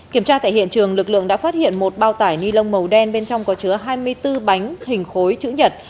kiểm tra tại hiện trường lực lượng đã phát hiện một bao tải ni lông màu đen bên trong có chứa hai mươi bốn bánh hình khối chữ nhật